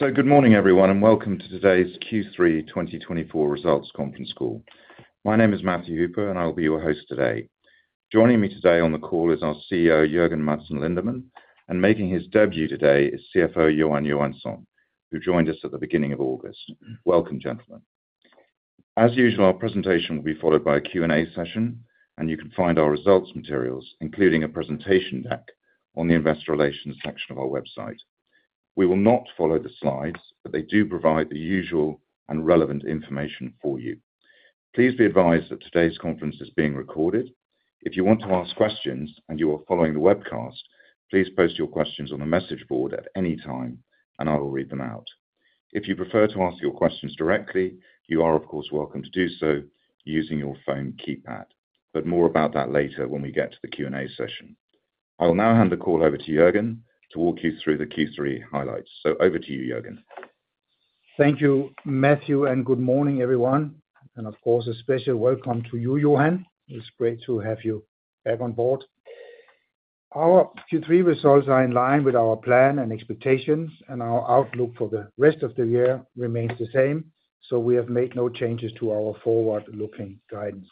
Good morning, everyone, and welcome to today's Q3 2024 Results Conference Call. My name is Matthew Hooper, and I'll be your host today. Joining me today on the call is our CEO, Jørgen Madsen Lindemann, and making his debut today is CFO, Johan Johansson, who joined us at the beginning of August. Welcome, gentlemen. As usual, our presentation will be followed by a Q&A session, and you can find our results materials, including a presentation deck, on the Investor Relations section of our website. We will not follow the slides, but they do provide the usual and relevant information for you. Please be advised that today's conference is being recorded. If you want to ask questions and you are following the webcast, please post your questions on the message board at any time, and I will read them out. If you prefer to ask your questions directly, you are, of course, welcome to do so using your phone keypad, but more about that later when we get to the Q&A session. I'll now hand the call over to Jørgen to walk you through the Q3 highlights. So over to you, Jørgen. Thank you, Matthew, and good morning, everyone, and of course, a special welcome to you, Johan. It's great to have you back on board. Our Q3 results are in line with our plan and expectations, and our outlook for the rest of the year remains the same, so we have made no changes to our forward-looking guidance.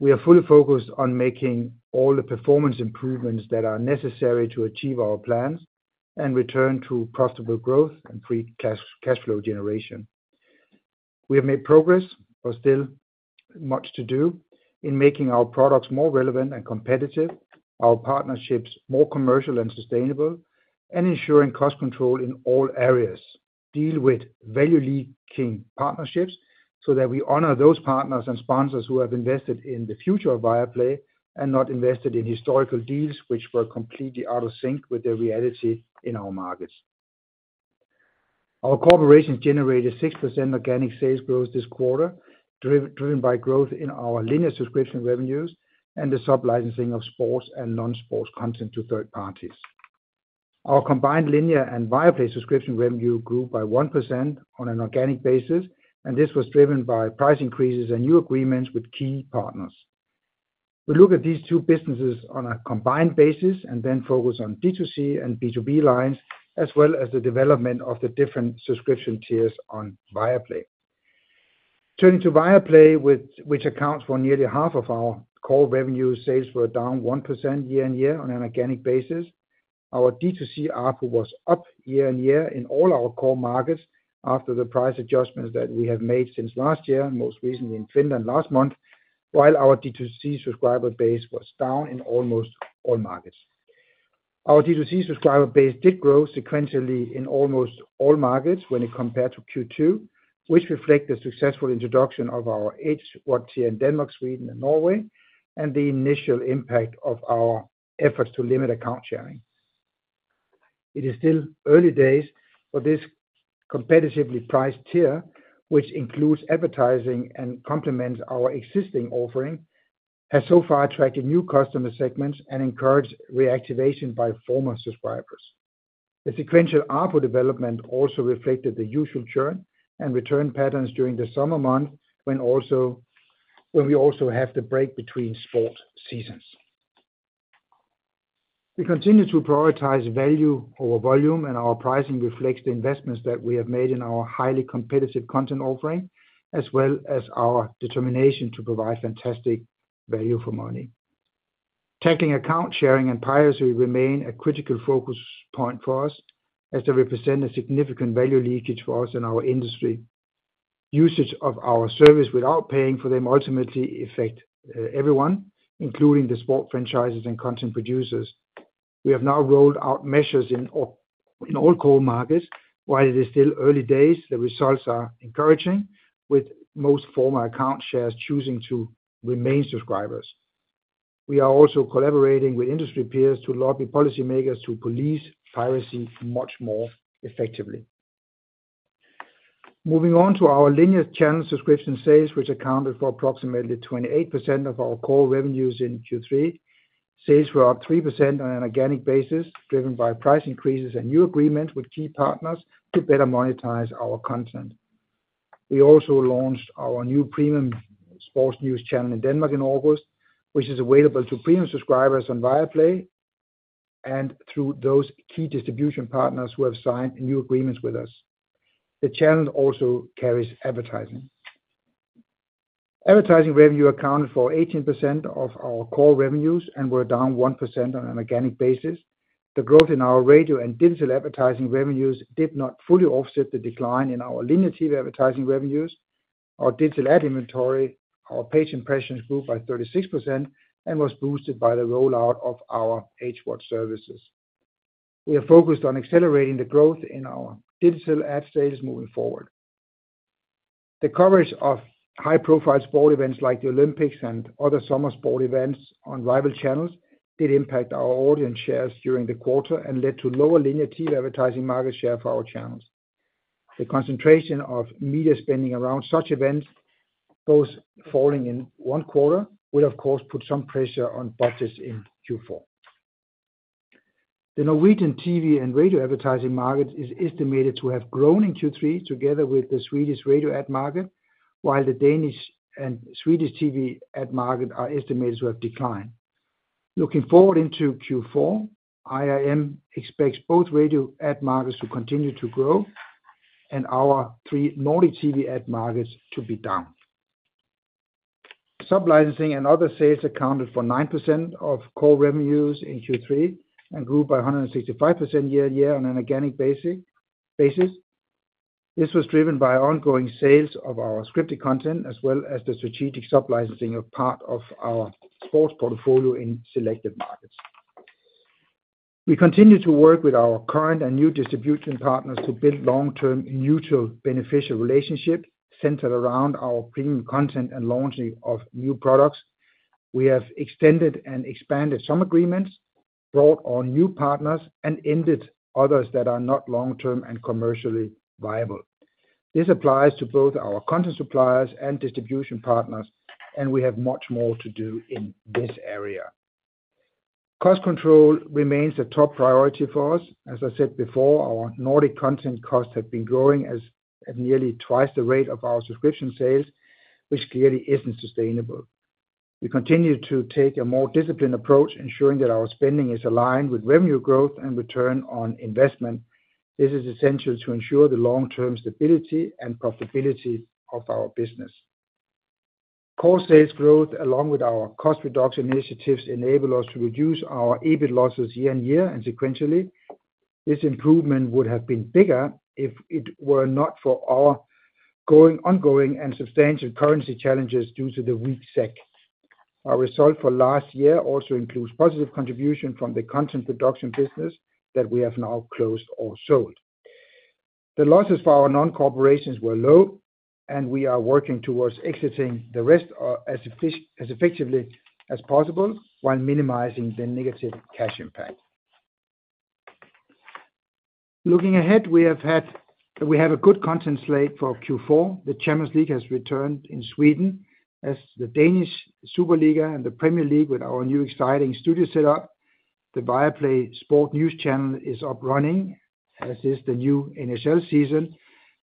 We are fully focused on making all the performance improvements that are necessary to achieve our plans and return to profitable growth and free cash flow generation. We have made progress, but still much to do in making our products more relevant and competitive, our partnerships more commercial and sustainable, and ensuring cost control in all areas. Deal with value-leading partnerships so that we honor those partners and sponsors who have invested in the future of Viaplay and not invested in historical deals which were completely out of sync with the reality in our markets. Our corporations generated 6% organic sales growth this quarter, driven by growth in our linear subscription revenues and the sub-licensing of sports and non-sports content to third parties. Our combined linear and Viaplay subscription revenue grew by 1% on an organic basis, and this was driven by price increases and new agreements with key partners. We look at these two businesses on a combined basis and then focus on D2C and B2B lines, as well as the development of the different subscription tiers on Viaplay. Turning to Viaplay, which accounts for nearly half of our core revenue, sales were down 1% year on year on an organic basis. Our D2C ARPU was up year on year in all our core markets after the price adjustments that we have made since last year, most recently in Finland last month, while our D2C subscriber base was down in almost all markets. Our D2C subscriber base did grow sequentially in almost all markets when it compared to Q2, which reflect the successful introduction of our HVOD tier in Denmark, Sweden and Norway, and the initial impact of our efforts to limit account sharing. It is still early days for this competitively priced tier, which includes advertising and complements our existing offering, has so far attracted new customer segments and encouraged reactivation by former subscribers. The sequential ARPU development also reflected the usual churn and return patterns during the summer month when we also have the break between sport seasons. We continue to prioritize value over volume, and our pricing reflects the investments that we have made in our highly competitive content offering, as well as our determination to provide fantastic value for money. Tackling account sharing and piracy remain a critical focus point for us, as they represent a significant value leakage for us in our industry. Usage of our service without paying for them ultimately affect everyone, including the sport franchises and content producers. We have now rolled out measures in all core markets. While it is still early days, the results are encouraging, with most former account sharers choosing to remain subscribers. We are also collaborating with industry peers to lobby policymakers to police piracy much more effectively. Moving on to our linear channel subscription sales, which accounted for approximately 28% of our core revenues in Q3, sales were up 3% on an organic basis, driven by price increases and new agreements with key partners to better monetize our content. We also launched our new premium sports news channel in Denmark in August, which is available to premium subscribers on Viaplay and through those key distribution partners who have signed new agreements with us. The channel also carries advertising. Advertising revenue accounted for 18% of our core revenues and were down 1% on an organic basis. The growth in our radio and digital advertising revenues did not fully offset the decline in our linear TV advertising revenues. Our digital ad inventory, our page impressions, grew by 36% and was boosted by the rollout of our H Watch services. We are focused on accelerating the growth in our digital ad sales moving forward. The coverage of high-profile sport events like the Olympics and other summer sport events on rival channels did impact our audience shares during the quarter and led to lower linear TV advertising market share for our channels. The concentration of media spending around such events, both falling in one quarter, will of course put some pressure on budgets in Q4. The Norwegian TV and radio advertising market is estimated to have grown in Q3, together with the Swedish radio ad market, while the Danish and Swedish TV ad market are estimated to have declined. Looking forward into Q4, IIM expects both radio ad markets to continue to grow, and our three Nordic TV ad markets to be down. Sublicensing and other sales accounted for 9% of core revenues in Q3, and grew by 165% year-on-year on an organic basis. This was driven by ongoing sales of our scripted content, as well as the strategic sublicensing of part of our sports portfolio in selected markets. We continue to work with our current and new distribution partners to build long-term, mutual, beneficial relationship centered around our premium content and launching of new products. We have extended and expanded some agreements, brought on new partners, and ended others that are not long-term and commercially viable. This applies to both our content suppliers and distribution partners, and we have much more to do in this area. Cost control remains a top priority for us. As I said before, our Nordic content costs have been growing at nearly twice the rate of our subscription sales, which clearly isn't sustainable. We continue to take a more disciplined approach, ensuring that our spending is aligned with revenue growth and return on investment. This is essential to ensure the long-term stability and profitability of our business. Core sales growth, along with our cost reduction initiatives, enable us to reduce our EBIT losses year-on-year and sequentially. This improvement would have been bigger if it were not for our ongoing and substantial currency challenges due to the weak SEK. Our result for last year also includes positive contribution from the content production business that we have now closed or sold. The losses for our non-core operations were low, and we are working towards exiting the rest, as effectively as possible, while minimizing the negative cash impact. Looking ahead, we have a good content slate for Q4. The Champions League has returned in Sweden, as the Danish Superliga and the Premier League, with our new exciting studio setup. The Viaplay Sport News Channel is up and running, as is the new NHL season,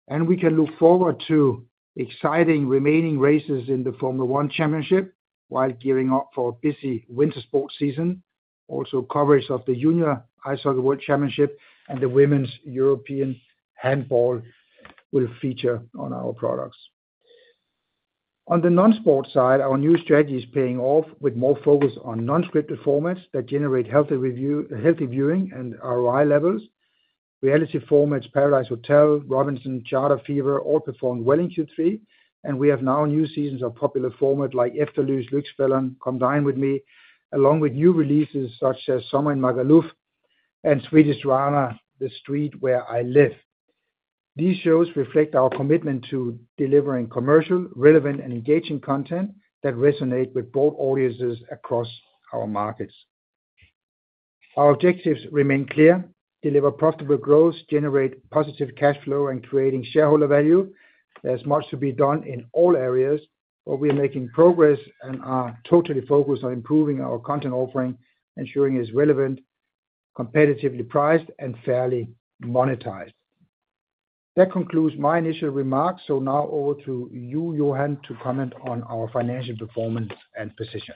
and we can look forward to exciting remaining races in the Formula One championship, while gearing up for a busy winter sports season. Also, coverage of the Junior Ice Hockey World Championship and the Women's European Handball will feature on our products. On the non-sports side, our new strategy is paying off with more focus on non-scripted formats that generate healthy revenue, healthy viewing and ROI levels. Reality formats, Paradise Hotel, Robinson, Charterfeber, all performed well in Q3, and we have now new seasons of popular format like Efterlyst, Lyxfällan, Come Dine With Me, along with new releases such as Summer in Magaluf and Swedish drama, The Street Where I Live. These shows reflect our commitment to delivering commercial, relevant, and engaging content that resonate with broad audiences across our markets. Our objectives remain clear: deliver profitable growth, generate positive cash flow, and creating shareholder value. There's much to be done in all areas, but we are making progress and are totally focused on improving our content offering, ensuring it's relevant, competitively priced, and fairly monetized. That concludes my initial remarks. So now over to you, Johan, to comment on our financial performance and position.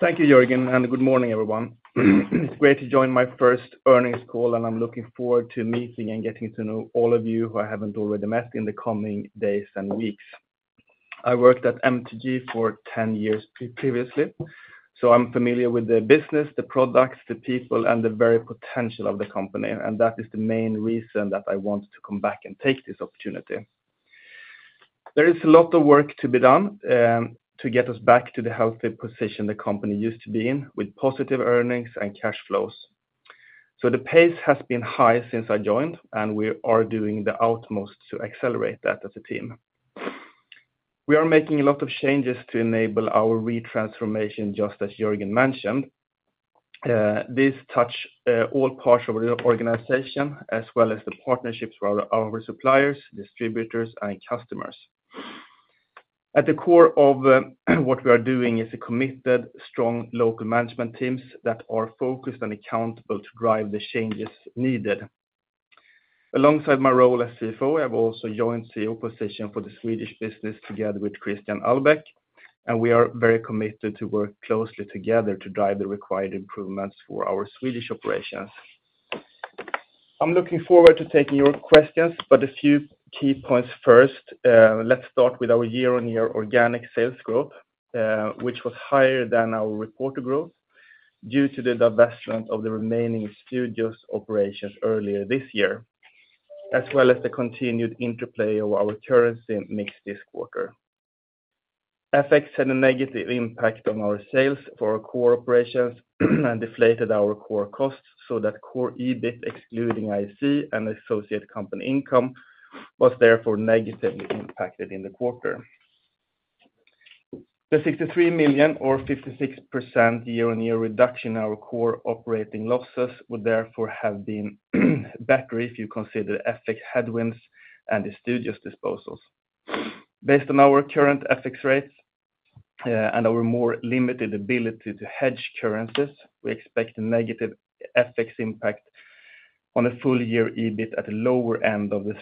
Thank you, Jørgen, and good morning, everyone. It's great to join my first earnings call, and I'm looking forward to meeting and getting to know all of you who I haven't already met in the coming days and weeks. I worked at MTG for 10 years previously, so I'm familiar with the business, the products, the people, and the very potential of the company, and that is the main reason that I want to come back and take this opportunity. There is a lot of work to be done to get us back to the healthy position the company used to be in, with positive earnings and cash flows. So the pace has been high since I joined, and we are doing the utmost to accelerate that as a team. We are making a lot of changes to enable our re-transformation, just as Jørgen mentioned. This touches all parts of our organization as well as the partnerships with our suppliers, distributors, and customers. At the core of what we are doing is a committed, strong, local management teams that are focused and accountable to drive the changes needed. Alongside my role as CFO, I've also joined CEO position for the Swedish business, together with Christian Albeck, and we are very committed to work closely together to drive the required improvements for our Swedish operations. I'm looking forward to taking your questions, but a few key points first. Let's start with our year-on-year organic sales growth, which was higher than our reported growth due to the divestment of the remaining studios operations earlier this year, as well as the continued impact of our currency and mix effects. FX had a negative impact on our sales for our core operations and deflated our core costs, so that core EBIT, excluding IFC and associate company income, was therefore negatively impacted in the quarter. The 63 million, or 56% year-on-year reduction in our core operating losses, would therefore have been better if you consider FX headwinds and the studios disposals. Based on our current FX rates, and our more limited ability to hedge currencies, we expect a negative FX impact on a full year, EBIT at a lower end of the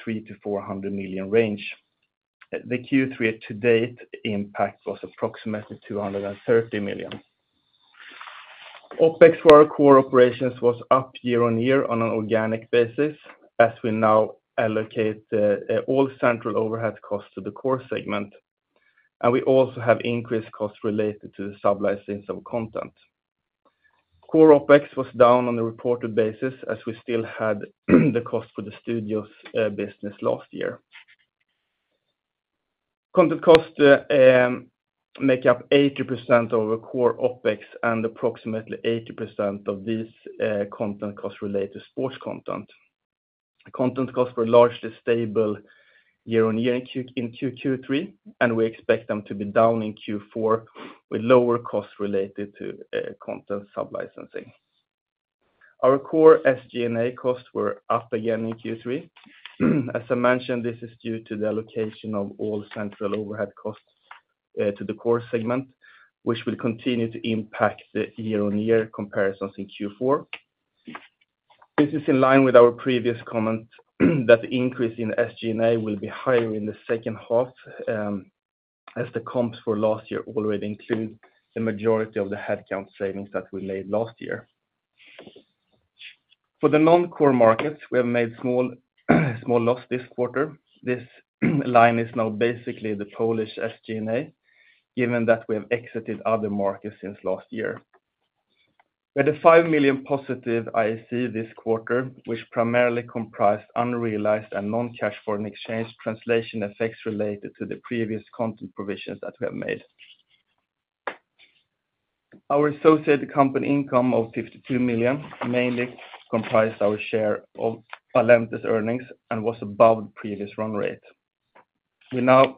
300-400 million range. The Q3 to date impact was approximately 230 million. OPEX for our core operations was up year-on-year on an organic basis, as we now allocate, all central overhead costs to the core segment, and we also have increased costs related to the sub-licensing of content. Core OPEX was down on the reported basis, as we still had the cost for the studios business last year. Content costs make up 80% of our core OPEX, and approximately 80% of this content costs relate to sports content. Content costs were largely stable year-on-year in Q2, Q3, and we expect them to be down in Q4, with lower costs related to content sub-licensing. Our core SG&A costs were up again in Q3. As I mentioned, this is due to the allocation of all central overhead costs to the core segment, which will continue to impact the year-on-year comparisons in Q4. This is in line with our previous comment, that the increase in SG&A will be higher in the second half, as the comps for last year already include the majority of the headcount savings that we made last year. For the non-core markets, we have made small loss this quarter. This line is now basically the Polish SG&A, given that we have exited other markets since last year. With a 5 million positive IAC this quarter, which primarily comprised unrealized and non-cash foreign exchange translation effects related to the previous content provisions that we have made. Our associated company income of 52 million, mainly comprised our share of Allente's earnings and was above previous run rate. We now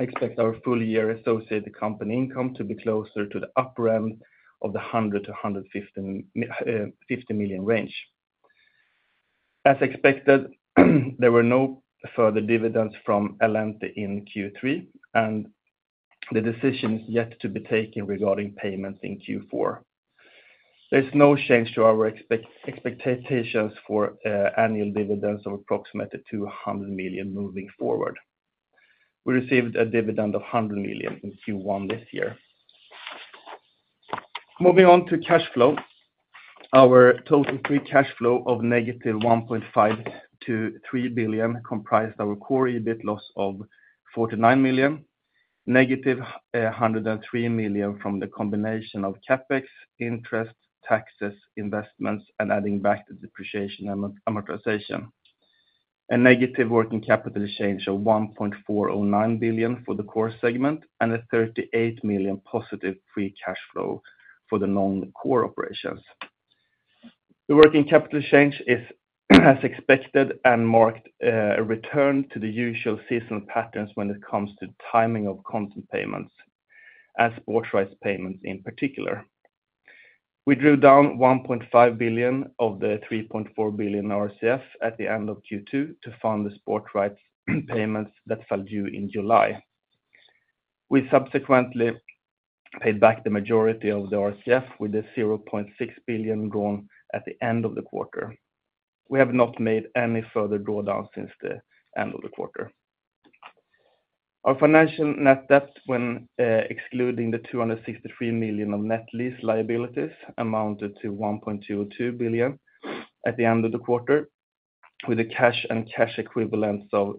expect our full year associated company income to be closer to the upper end of the 100 million to 150 million range. As expected, there were no further dividends from Allente in Q3, and the decision is yet to be taken regarding payments in Q4. There's no change to our expectations for annual dividends of approximately 200 million SEK moving forward. We received a dividend of 100 million SEK in Q1 this year. Moving on to cash flow. Our total free cash flow of negative 1.5 to 3 billion SEK, comprised our core EBIT loss of 49 million SEK, negative 103 million SEK from the combination of CapEx, interest, taxes, investments, and adding back the depreciation and amortization. A negative working capital change of 1.409 billion SEK for the core segment, and a 38 million SEK positive free cash flow for the non-core operations. The working capital change is, as expected, and marked, a return to the usual seasonal patterns when it comes to timing of content payments, as sports rights payments in particular. We drew down 1.5 billion of the 3.4 billion RCF at the end of Q2, to fund the sports rights payments that fell due in July. We subsequently paid back the majority of the RCF, with a 0.6 billion gone at the end of the quarter. We have not made any further drawdown since the end of the quarter. Our financial net debt, when, excluding the 263 million of net lease liabilities, amounted to 1.22 billion at the end of the quarter, with a cash and cash equivalents of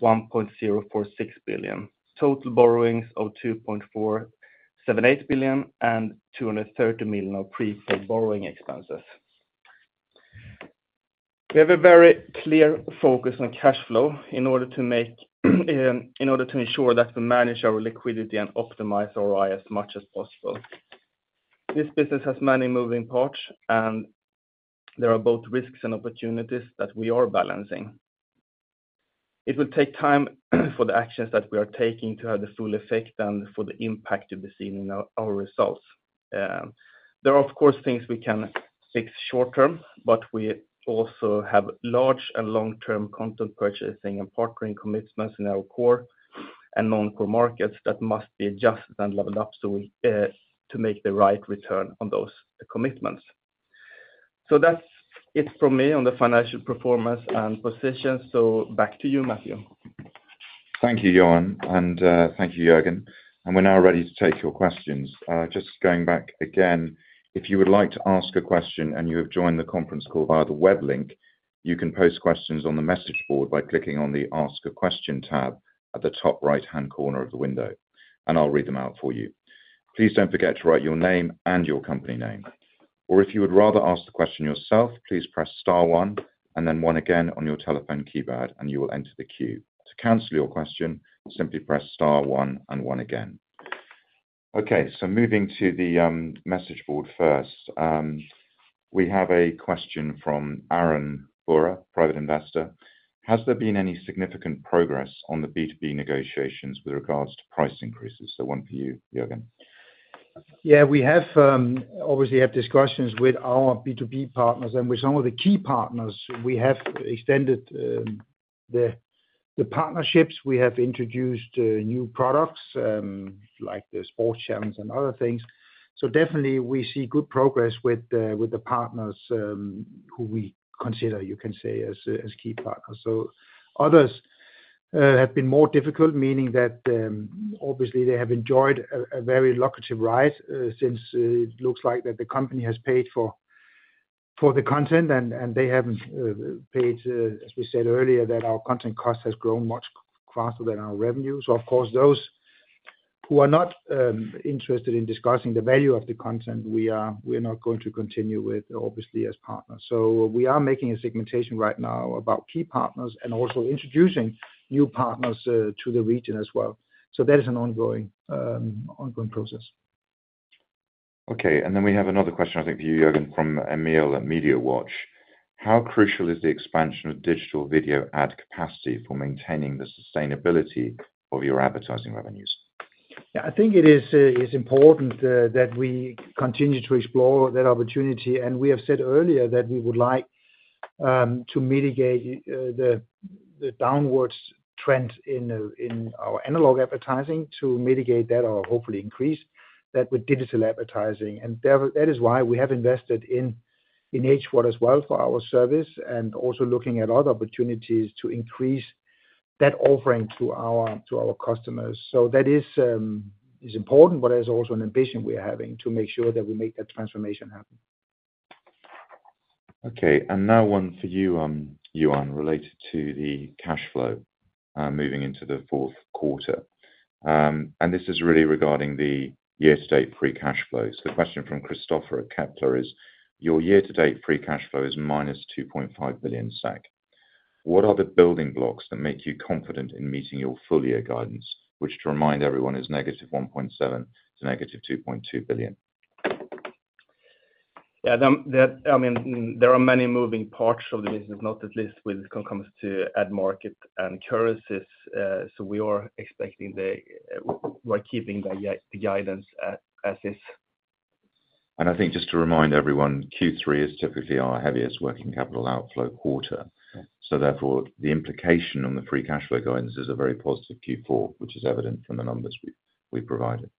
1.046 billion. Total borrowings of 2.478 billion, and 230 million of prepaid borrowing expenses. We have a very clear focus on cash flow in order to make, in order to ensure that we manage our liquidity and optimize ROI as much as possible. This business has many moving parts, and there are both risks and opportunities that we are balancing. It will take time for the actions that we are taking to have the full effect and for the impact to be seen in our results. There are, of course, things we can fix short term, but we also have large and long-term content purchasing and partnering commitments in our core and non-core markets that must be adjusted and leveled up, so we, to make the right return on those commitments. So that's it from me on the financial performance and position. So back to you, Matthew. Thank you, Johan, and thank you, Jørgen, and we're now ready to take your questions. Just going back again, if you would like to ask a question and you have joined the conference call via the web link, you can post questions on the message board by clicking on the Ask a Question tab at the top right-hand corner of the window, and I'll read them out for you. Please don't forget to write your name and your company name. Or if you would rather ask the question yourself, please press * one, and then one again on your telephone keypad, and you will enter the queue. To cancel your question, simply press * one and one again. Okay, so moving to the message board first. We have a question from Aaron Burr, private investor: Has there been any significant progress on the B2B negotiations with regards to price increases? So one for you, Jørgen. Yeah, we obviously have discussions with our B2B partners and with some of the key partners. We have extended the the partnerships, we have introduced new products like the sports channels and other things. So definitely we see good progress with the partners who we consider, you can say, as key partners. So others have been more difficult, meaning that obviously they have enjoyed a very lucrative ride since it looks like that the company has paid for the content and they haven't paid, as we said earlier, that our content cost has grown much faster than our revenues. So of course, those who are not interested in discussing the value of the content, we're not going to continue with, obviously, as partners. So we are making a segmentation right now about key partners and also introducing new partners to the region as well. So that is an ongoing process. Okay, and then we have another question, I think for you, Jørgen, from Emil at MediaWatch. How crucial is the expansion of digital video ad capacity for maintaining the sustainability of your advertising revenues? Yeah, I think it is important that we continue to explore that opportunity. And we have said earlier that we would like to mitigate the downwards trend in our analog advertising to mitigate that or hopefully increase that with digital advertising. And that is why we have invested in H4 as well for our service, and also looking at other opportunities to increase that offering to our customers. So that is important, but it is also an ambition we are having to make sure that we make that transformation happen. Okay, and now one for you, Johan, related to the cash flow moving into the Q4, and this is really regarding the year-to-date free cash flows. The question from Kristoffer at Kepler is: Your year-to-date free cash flow is minus 2.5 billion SEK. What are the building blocks that make you confident in meeting your full year guidance, which, to remind everyone, is negative 1.7 to negative 2.2 billion? Yeah, that, I mean, there are many moving parts of the business, not least when it comes to ad market and currencies. So we are expecting the, we're keeping the guidance as is. I think just to remind everyone, Q3 is typically our heaviest working capital outflow quarter. Yeah. So therefore, the implication on the free cash flow guidance is a very positive Q4, which is evident from the numbers we've provided.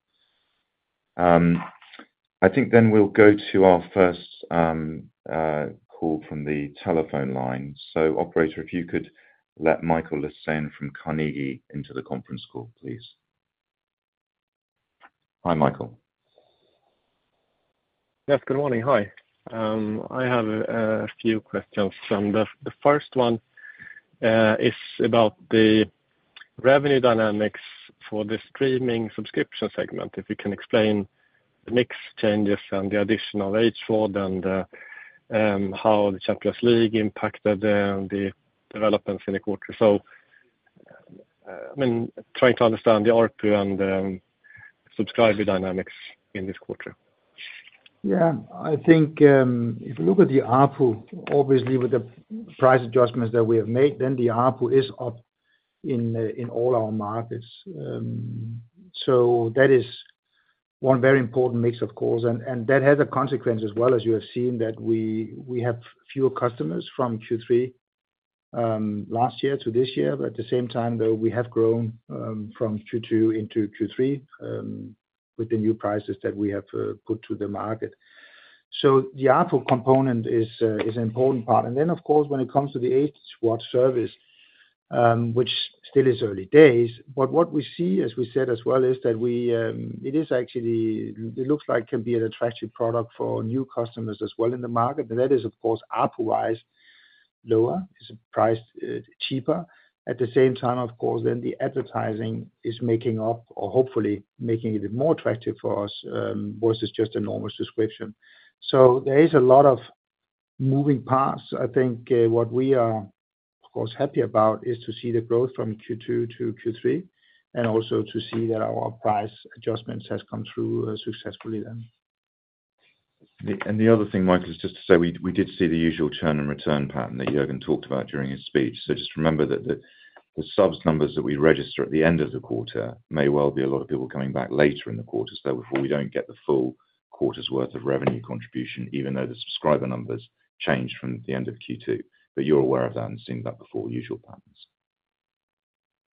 I think then we'll go to our first call from the telephone line. So operator, if you could let Mikael Laséen from Carnegie into the conference call, please. Hi, Michael. Yes, good morning. Hi. I have a few questions. The first one is about the revenue dynamics for the streaming subscription segment. If you can explain the mix changes and the additional H4 and how the Champions League impacted the developments in the quarter. So, I mean, trying to understand the ARPU and subscriber dynamics in this quarter. Yeah. I think, if you look at the ARPU, obviously with the price adjustments that we have made, then the ARPU is up in all our markets. So that is one very important mix, of course, and that has a consequence as well, as you have seen, that we have fewer customers from Q3 last year to this year. But at the same time, though, we have grown from Q2 into Q3 with the new prices that we have put to the market. So the ARPU component is an important part. And then, of course, when it comes to the HVOD service, which still is early days, but what we see, as we said as well, is that it actually looks like it can be an attractive product for new customers as well in the market, but that is of course, ARPU-wise, lower. It's priced cheaper. At the same time, of course, then the advertising is making up or hopefully making it more attractive for us versus just a normal subscription. So there is a lot of moving parts. I think what we are, of course, happy about is to see the growth from Q2 to Q3, and also to see that our price adjustments has come through successfully then. The other thing, Michael, is just to say we did see the usual churn and return pattern that Jørgen talked about during his speech. So just remember that the subs numbers that we register at the end of the quarter may well be a lot of people coming back later in the quarter, so therefore we don't get the full quarter's worth of revenue contribution, even though the subscriber numbers change from the end of Q2. But you're aware of that and seen that before. Usual patterns.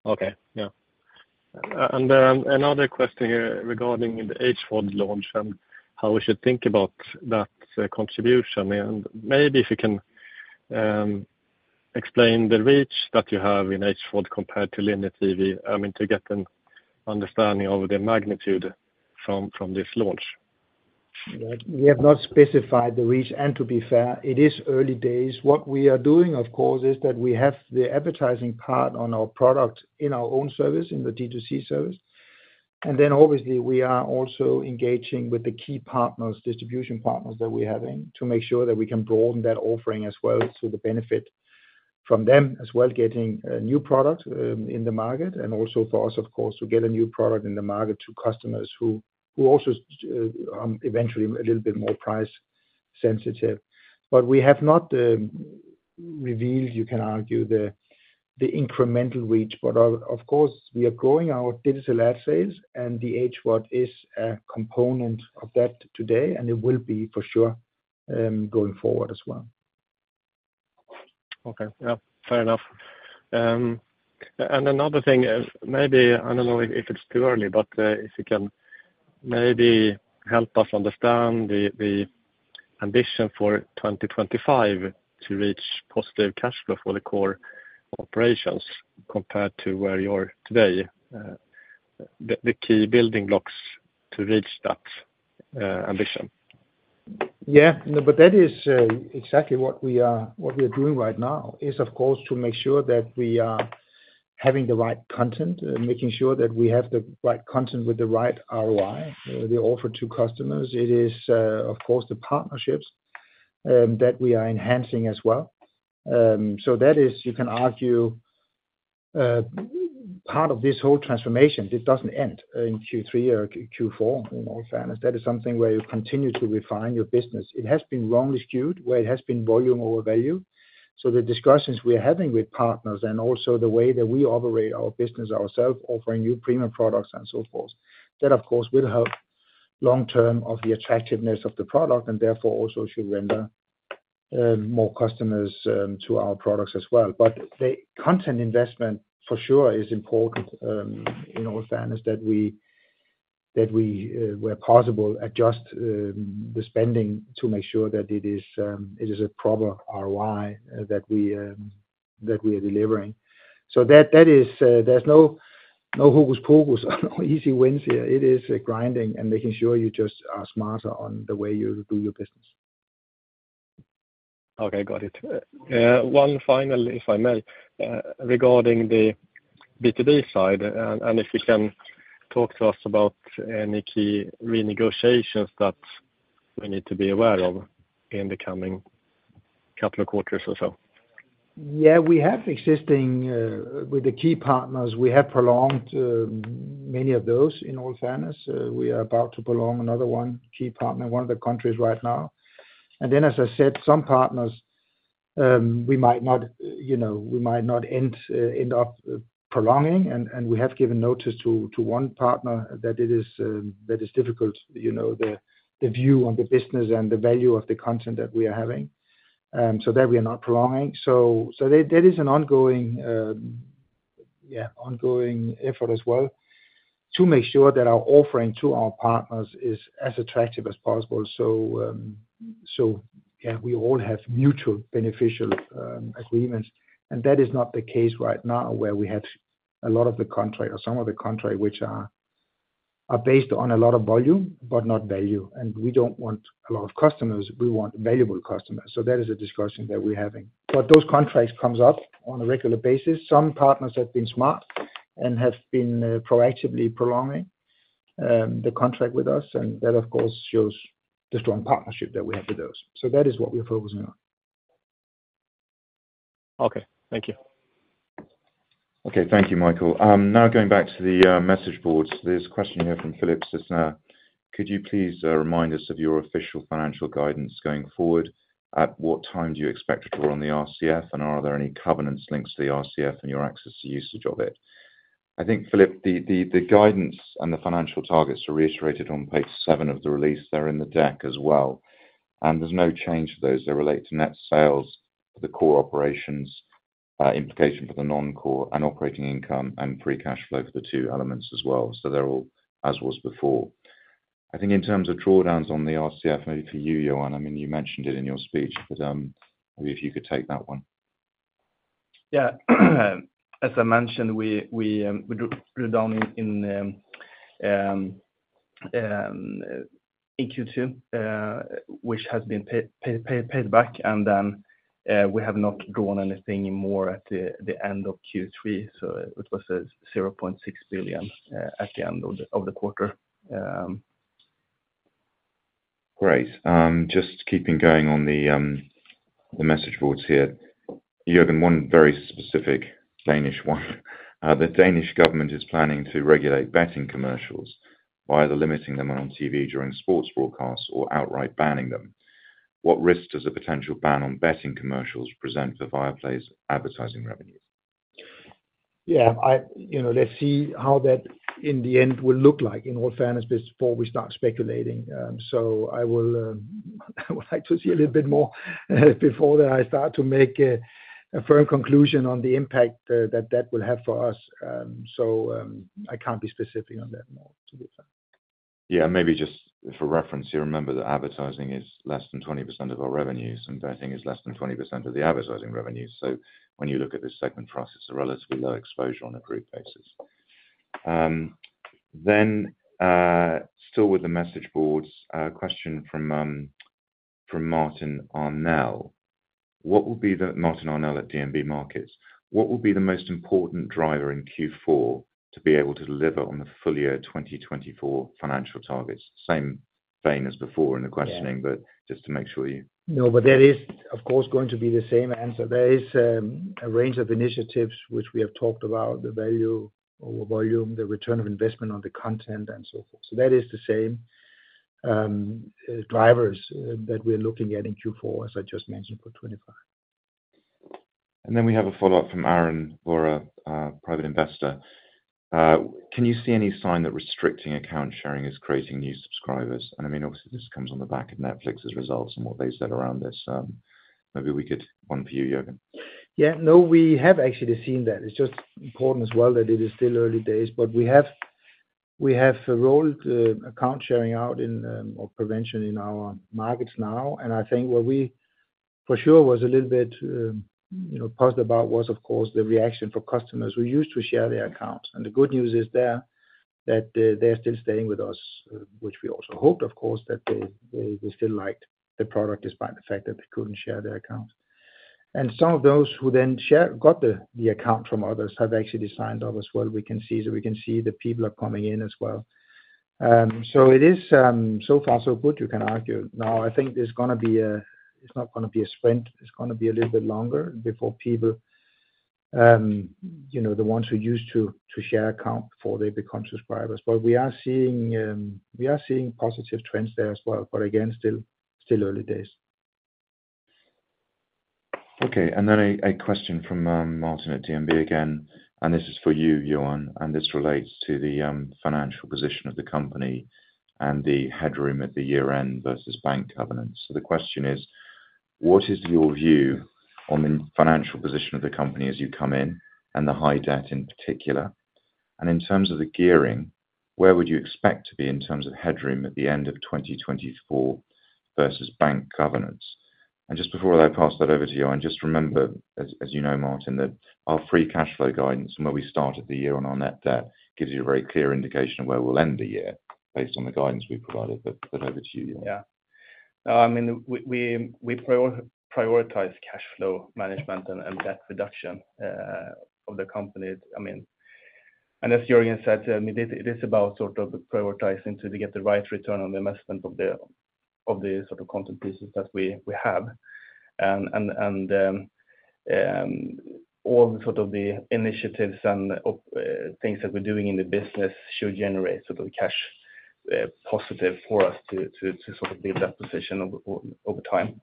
Okay. Yeah, and another question here regarding the H4 launch and how we should think about that contribution. And maybe if you can explain the reach that you have in H4 compared to linear TV, I mean, to get an understanding of the magnitude from this launch. Right. We have not specified the reach, and to be fair, it is early days. What we are doing, of course, is that we have the advertising part on our product in our own service, in the D2C service. And then obviously we are also engaging with the key partners, distribution partners that we have in, to make sure that we can broaden that offering as well, so the benefit from them as well, getting a new product in the market. And also for us, of course, to get a new product in the market to customers who also eventually a little bit more price sensitive. But we have not revealed. You can argue the incremental reach. But of course, we are growing our digital ad sales, and the H4 is a component of that today, and it will be for sure. going forward as well. Okay. Yeah, fair enough. And another thing is, maybe, I don't know if it's too early, but, if you can maybe help us understand the ambition for twenty twenty-five to reach positive cash flow for the core operations compared to where you are today, the key building blocks to reach that, ambition? Yeah, no, but that is exactly what we are, what we are doing right now, is, of course, to make sure that we are having the right content, and making sure that we have the right content with the right ROI, the offer to customers. It is, of course, the partnerships that we are enhancing as well. So that is, you can argue, part of this whole transformation. It doesn't end in Q3 or Q4, in all fairness. That is something where you continue to refine your business. It has been wrongly skewed, where it has been volume over value, so the discussions we are having with partners and also the way that we operate our business ourselves, offering new premium products and so forth, that, of course, will help long-term of the attractiveness of the product, and therefore also should render, more customers, to our products as well. But the content investment, for sure, is important, in all fairness, that we, where possible, adjust, the spending to make sure that it is a proper ROI, that we are delivering. So that is... There's no, no hocus pocus, or easy wins here. It is a grinding and making sure you just are smarter on the way you do your business. Okay, got it. One final, if I may, regarding the B2B side, and if you can talk to us about any key renegotiations that we need to be aware of in the coming couple of quarters or so? Yeah, we have existing with the key partners; we have prolonged many of those in all fairness. We are about to prolong another one, key partner in one of the countries right now. And then, as I said, some partners, we might not, you know, we might not end up prolonging, and we have given notice to one partner that it is, that is difficult, you know, the view on the business and the value of the content that we are having. So that we are not prolonging. So that is an ongoing effort as well, to make sure that our offering to our partners is as attractive as possible. So yeah, we all have mutually beneficial agreements, and that is not the case right now, where we have a lot of the contract or some of the contract, which are based on a lot of volume, but not value. And we don't want a lot of customers. We want valuable customers. So that is a discussion that we're having. But those contracts comes up on a regular basis. Some partners have been smart and have been proactively prolonging the contract with us, and that, of course, shows the strong partnership that we have with those. So that is what we're focusing on. Okay, thank you. Okay. Thank you, Michael. Now going back to the message boards. There's a question here from Philippe Sissener. "Could you please remind us of your official financial guidance going forward? At what time do you expect to draw on the RCF, and are there any covenants links to the RCF and your access to usage of it?" I think, Philip, the guidance and the financial targets are reiterated on page seven of the release. They're in the deck as well, and there's no change to those. They relate to net sales, the core operations, implications for the non-core, and operating income, and free cash flow for the two elements as well. So they're all as was before. I think in terms of drawdowns on the RCF, maybe for you, Johan, I mean, you mentioned it in your speech, but, maybe if you could take that one. Yeah. As I mentioned, we drew down in Q2, which has been paid back, and we have not drawn anything more at the end of Q3, so it was 0.6 billion at the end of the quarter. Great. Just keeping going on the message boards here. You have one very specific Danish one. "The Danish government is planning to regulate betting commercials by either limiting them on TV during sports broadcasts or outright banning them. What risk does a potential ban on betting commercials present for Viaplay's advertising revenues? Yeah, you know, let's see how that in the end will look like, in all fairness, before we start speculating. So I would like to see a little bit more before I start to make a firm conclusion on the impact that that will have for us. So I can't be specific on that more, to be fair. Yeah, maybe just for reference here, remember that advertising is less than 20% of our revenues, and betting is less than 20% of the advertising revenues. So when you look at this segment for us, it's a relatively low exposure on a group basis. Then, still with the message boards, a question from Martin Arnell at DNB Markets: What will be the most important driver in Q4 to be able to deliver on the full-year 2024 financial targets? Same vein as before in the questioning- Yeah. but just to make sure you- No, but that is, of course, going to be the same answer. There is a range of initiatives which we have talked about, the value or volume, the return on investment on the content, and so forth. So that is the same drivers that we're looking at in Q4, as I just mentioned, for 2025. ...And then we have a follow-up from Aaron Laura, private investor. Can you see any sign that restricting account sharing is creating new subscribers? And I mean, obviously, this comes on the back of Netflix's results and what they said around this. Maybe we could, one for you, Jørgen. Yeah, no, we have actually seen that. It's just important as well that it is still early days. But we have rolled account sharing out in or prevention in our markets now. And I think where we for sure was a little bit, you know, puzzled about was, of course, the reaction from customers who used to share their accounts. And the good news is there, that they're still staying with us, which we also hoped, of course, that they still liked the product despite the fact that they couldn't share their accounts. And some of those who then got the account from others have actually signed up as well, we can see. So we can see the people are coming in as well. So it is so far so good, you can argue. Now, I think there's gonna be a sprint. It's not gonna be a sprint, it's gonna be a little bit longer before people, you know, the ones who used to share account before they become subscribers. But we are seeing positive trends there as well. But again, still early days. Okay. And then a question from Martin at DNB again, and this is for you, Johan, and this relates to the financial position of the company and the headroom at the year-end versus bank covenants. So the question is: What is your view on the financial position of the company as you come in, and the high debt in particular? And in terms of the gearing, where would you expect to be in terms of headroom at the end of twenty twenty-four versus bank covenants? And just before I pass that over to you, and just remember, as you know, Martin, that our free cash flow guidance from where we started the year on our net debt gives you a very clear indication of where we'll end the year based on the guidance we've provided. But over to you, Johan. Yeah. I mean, we prioritize cash flow management and debt reduction of the company. I mean, and as Jørgen said, I mean, it is about sort of prioritizing to get the right return on the investment of the sort of content pieces that we have, and all sort of the initiatives and things that we're doing in the business should generate sort of cash positive for us to sort of be in that position over time.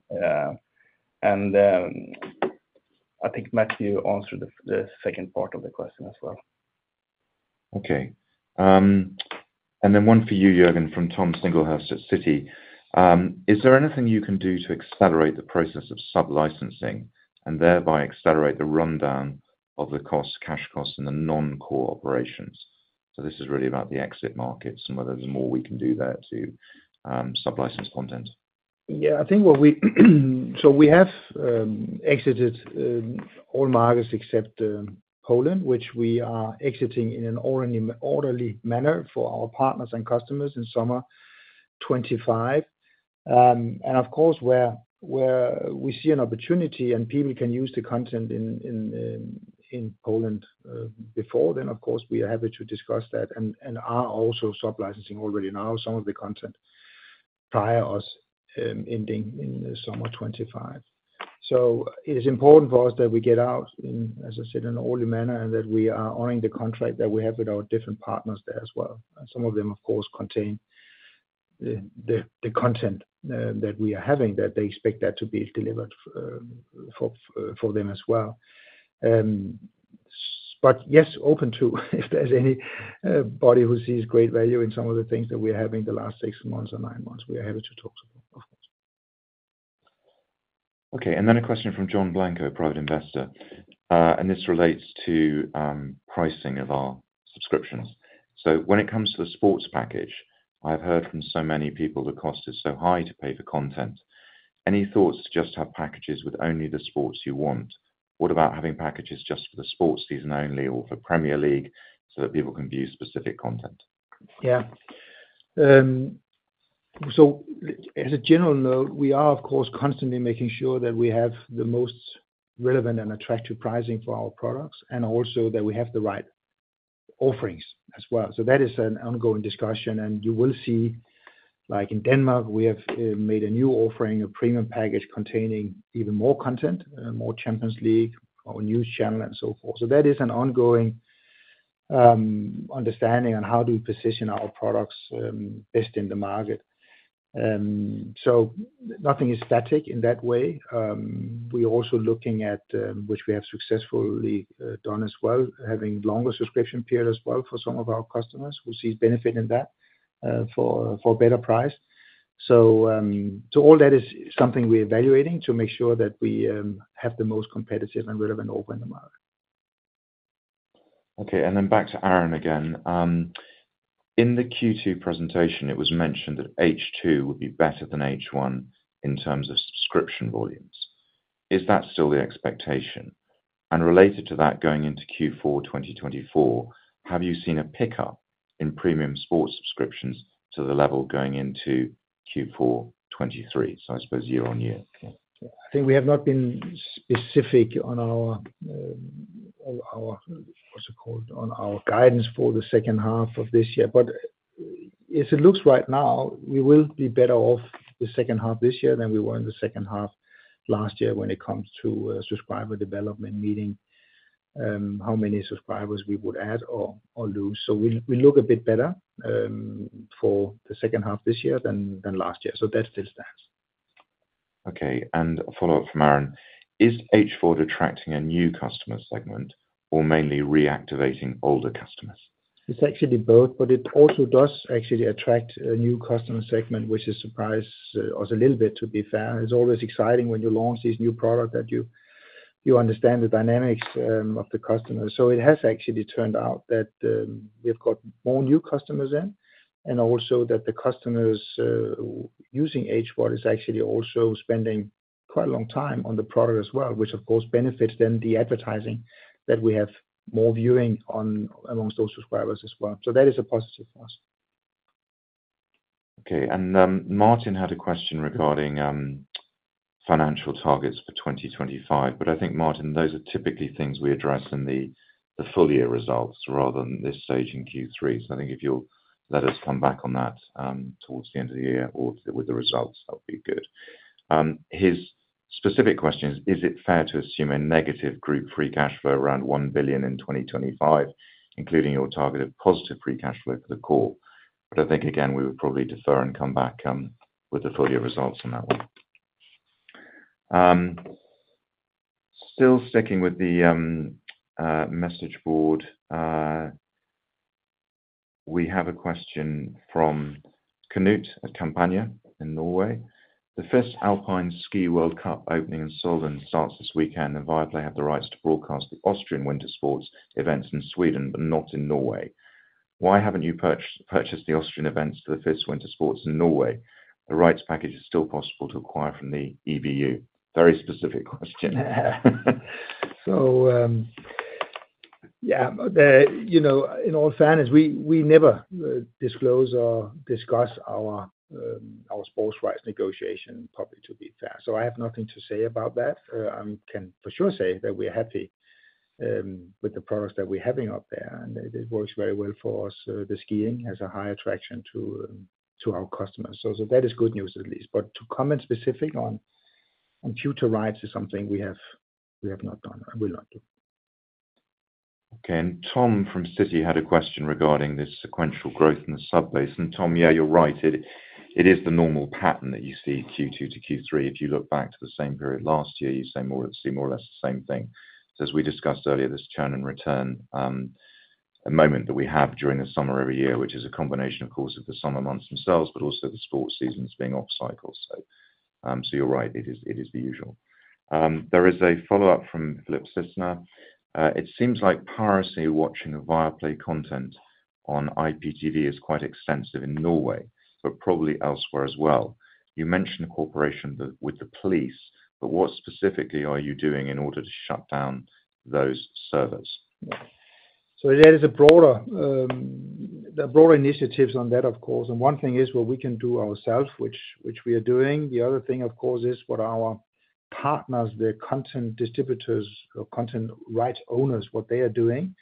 I think Matthew answered the second part of the question as well. Okay. And then one for you, Jørgen, from Tom Singlehurst at Citi. Is there anything you can do to accelerate the process of sub-licensing, and thereby accelerate the rundown of the cost, cash costs and the non-core operations? So this is really about the exit markets and whether there's more we can do there to sub-license content. Yeah, I think what we— So we have exited all markets except Poland, which we are exiting in an orderly manner for our partners and customers in summer 2025. And of course, where we see an opportunity and people can use the content in Poland before then, of course, we are happy to discuss that, and are also sub-licensing already now some of the content prior to us ending in the summer 2025. So it is important for us that we get out, as I said, in an orderly manner, and that we are honoring the contract that we have with our different partners there as well. And some of them, of course, contain the content that we are having, that they expect that to be delivered for them as well. But yes, open to, if there's anybody who sees great value in some of the things that we're having the last six months or nine months, we are happy to talk to them, of course. Okay. And then a question from John Blanco, private investor. And this relates to pricing of our subscriptions. So when it comes to the sports package, I've heard from so many people the cost is so high to pay for content. Any thoughts to just have packages with only the sports you want? What about having packages just for the sports season only or for Premier League, so that people can view specific content? Yeah. So as a general note, we are of course constantly making sure that we have the most relevant and attractive pricing for our products, and also that we have the right offerings as well. So that is an ongoing discussion, and you will see, like in Denmark, we have made a new offering, a premium package containing even more content, more Champions League, our news channel, and so forth. So that is an ongoing understanding on how do we position our products best in the market. So nothing is static in that way. We're also looking at which we have successfully done as well, having longer subscription period as well for some of our customers who sees benefit in that, for better price. All that is something we're evaluating to make sure that we have the most competitive and relevant offer in the market. Okay. And then back to Aaron again. In the Q2 presentation, it was mentioned that H2 would be better than H1 in terms of subscription volumes. Is that still the expectation? And related to that, going into Q4 2024, have you seen a pickup in premium sports subscriptions to the level going into Q4 2023? So I suppose year on year. I think we have not been specific on our, what's it called, on our guidance for the second half of this year. But as it looks right now, we will be better off the second half this year than we were in the second half last year when it comes to subscriber development, how many subscribers we would add or lose. So we look a bit better for the second half this year than last year. So that's the stance. Okay. And a follow-up from Aaron: Is H4 attracting a new customer segment or mainly reactivating older customers? It's actually both, but it also does actually attract a new customer segment, which has surprised us a little bit, to be fair. It's always exciting when you launch this new product that you understand the dynamics of the customer. So it has actually turned out that we've got more new customers in, and also that the customers using H4 is actually also spending quite a long time on the product as well, which of course benefits then the advertising that we have more viewing on amongst those subscribers as well. So that is a positive for us. Okay. And, Martin had a question regarding, financial targets for twenty twenty-five. But I think, Martin, those are typically things we address in the, the full year results rather than this stage in Q3. So I think if you'll let us come back on that, towards the end of the year or with the results, that'll be good. His specific question is, "Is it fair to assume a negative group, free cash flow around 1 billion in twenty twenty-five, including your targeted positive free cash flow for the core?" But I think, again, we would probably defer and come back, with the full year results on that one. Still sticking with the message board, we have a question from Knut at Kampanje in Norway: The first Alpine Ski World Cup opening in Sölden starts this weekend, and Viaplay have the rights to broadcast the Austrian winter sports events in Sweden, but not in Norway. Why haven't you purchased the Austrian events to the FIS Winter Sports in Norway? The rights package is still possible to acquire from the EBU. Very specific question. So, yeah, you know, in all fairness, we never disclose or discuss our sports rights negotiation properly, to be fair. I have nothing to say about that. I can for sure say that we're happy with the products that we're having out there, and it works very well for us. The skiing has a high attraction to our customers. So that is good news at least. But to comment specific on future rights is something we have not done and will not do. Okay. And Tom from Citi had a question regarding this sequential growth in the subbase. And Tom, yeah, you're right. It is the normal pattern that you see Q2 to Q3. If you look back to the same period last year, you see more or less the same thing. So as we discussed earlier, this churn and return, a moment that we have during the summer every year, which is a combination, of course, of the summer months themselves, but also the sports seasons being off cycle. So, so you're right, it is the usual. There is a follow-up from Philip Cisner. It seems like piracy watching Viaplay content on IPTV is quite extensive in Norway, but probably elsewhere as well. You mentioned a cooperation with the police, but what specifically are you doing in order to shut down those servers? There is a broader, there are broader initiatives on that, of course, and one thing is what we can do ourselves, which we are doing. The other thing, of course, is what our partners, the content distributors or content rights owners, what they are doing.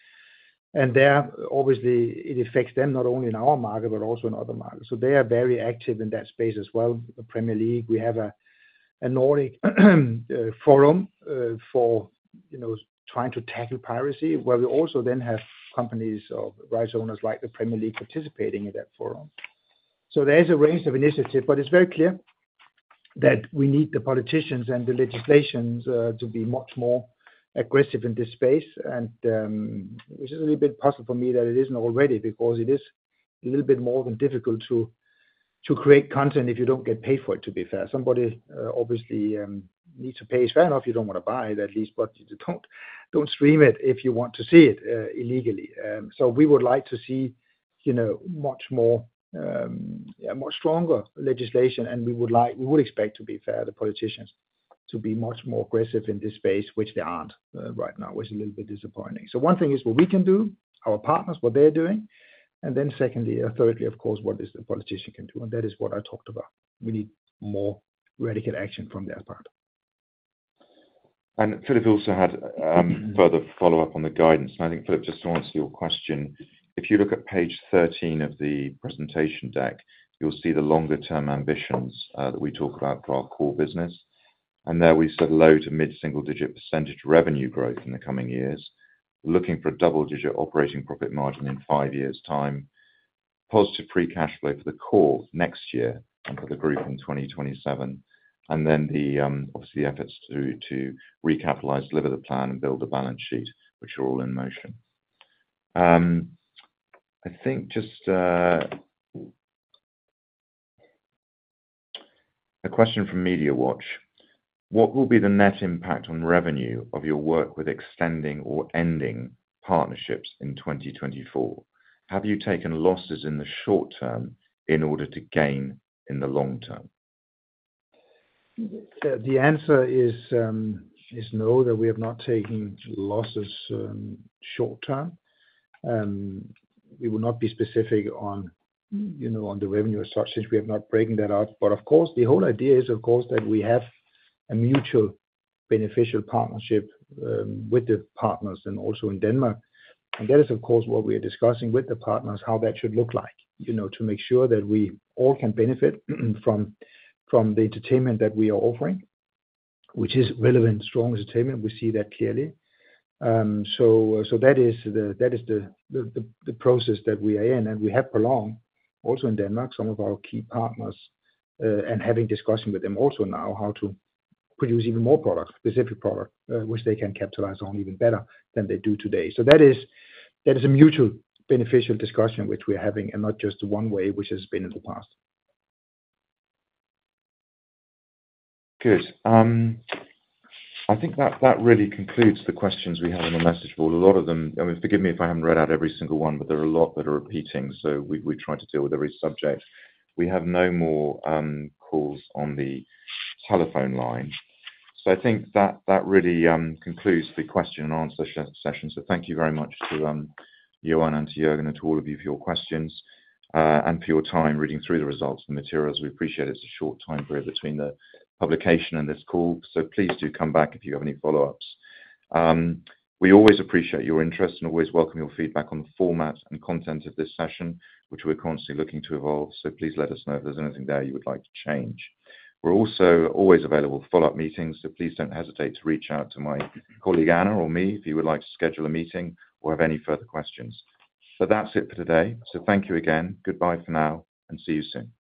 And there, obviously, it affects them not only in our market, but also in other markets. So they are very active in that space as well. The Premier League, we have a Nordic forum for you know, trying to tackle piracy, where we also then have companies or rights owners, like the Premier League, participating in that forum. So there is a range of initiatives, but it's very clear that we need the politicians and the legislation to be much more aggressive in this space. Which is a little bit possible for me that it isn't already, because it is a little bit more than difficult to create content if you don't get paid for it, to be fair. Somebody obviously needs to pay. It's fair enough if you don't want to buy it, at least, but you don't stream it if you want to see it illegally. We would like to see, you know, much more, yeah, more stronger legislation, and we would like, we would expect, to be fair, the politicians to be much more aggressive in this space, which they aren't right now. It's a little bit disappointing. One thing is what we can do, our partners, what they're doing, and then secondly or thirdly, of course, what is the politician can do? That is what I talked about. We need more radical action from their part. Philip also had further follow-up on the guidance. I think, Philip, just to answer your question, if you look at page 13 of the presentation deck, you'll see the longer term ambitions that we talk about to our core business. And there we said, low- to mid-single-digit% revenue growth in the coming years, looking for a double-digit% operating profit margin in five years' time, positive free cash flow for the core next year and for the group in twenty twenty-seven. And then obviously, the efforts to recapitalize, deliver the plan and build a balance sheet, which are all in motion. I think just, A question from MediaWatch: What will be the net impact on revenue of your work with extending or ending partnerships in twenty twenty-four? Have you taken losses in the short term in order to gain in the long term? The answer is no, that we have not taken losses short term. We will not be specific on, you know, on the revenue as such, since we are not breaking that out. But of course, the whole idea is, of course, that we have a mutually beneficial partnership with the partners and also in Denmark. And that is, of course, what we are discussing with the partners, how that should look like, you know, to make sure that we all can benefit from the entertainment that we are offering, which is relevant, strong entertainment. We see that clearly. So that is the process that we are in, and we have prolonged also in Denmark some of our key partners and having discussion with them also now how to produce even more products, specific product, which they can capitalize on even better than they do today. So that is a mutual beneficial discussion, which we are having, and not just one way, which has been in the past. Good. I think that really concludes the questions we have on the message board. A lot of them, I mean, forgive me if I haven't read out every single one, but there are a lot that are repeating, so we tried to deal with every subject. We have no more calls on the telephone line, so I think that really concludes the question and answer session. Thank you very much to Johan and to Jørgen and to all of you for your questions and for your time reading through the results and the materials. We appreciate it's a short time frame between the publication and this call, so please do come back if you have any follow-ups. We always appreciate your interest and always welcome your feedback on the format and content of this session, which we're constantly looking to evolve. So please let us know if there's anything there you would like to change. We're also always available for follow-up meetings, so please don't hesitate to reach out to my colleague, Anna, or me, if you would like to schedule a meeting or have any further questions. But that's it for today. So thank you again. Goodbye for now, and see you soon.